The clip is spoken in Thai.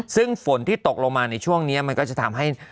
ซึ่งฝนที่ตกลงมาในช่วงนี้มันก็จะทำให้